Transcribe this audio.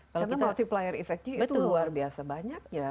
karena multiplier effect itu luar biasa banyak ya